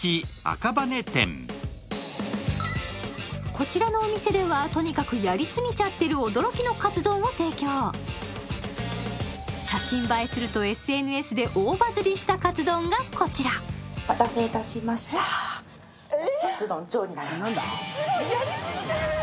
こちらのお店ではとにかくやりすぎちゃってる驚きのカツ丼を提供写真映えするとＳＮＳで大バズりしたカツ丼がこちらお待たせいたしましたえっカツ丼になりますすごいやりすぎてる！